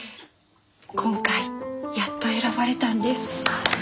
今回やっと選ばれたんです。